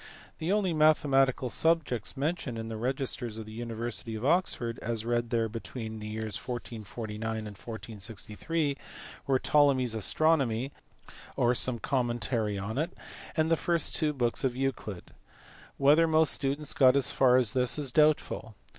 The only mathematical subjects mentioned in the registers of the university of Oxford as read there between the years 1449 186 INTRODUCTION OF ARABIAN WORKS INTO EUROPE. and 1463 were Ptolemy s astronomy (or some commentary on it) and the first two books of Euclid. Whether most students got as far as this is doubtful.